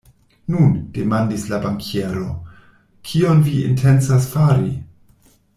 Nun, demandis la bankiero, kion vi intencas fari?